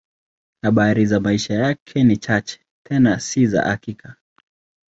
Habari za maisha yake ni chache, tena si za hakika.